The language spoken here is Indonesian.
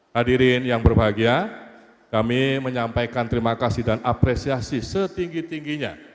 hadirin yang berbahagia kami menyampaikan terima kasih dan apresiasi setinggi tingginya